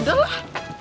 ya udah lah